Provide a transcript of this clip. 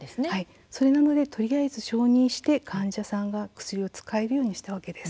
それなので、とりあえず承認して患者さんが薬を使えるようにしたわけです。